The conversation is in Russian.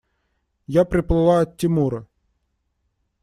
Я приплыла от Тимура.